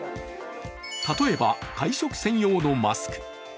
例えば会食専用のマスク。